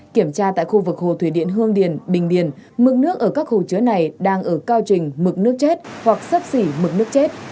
kiểm tra tại khu vực hồ thủy điện hương điền bình điền mức nước ở các hồ chứa này đang ở cao trình mực nước chết hoặc sấp xỉ mực nước chết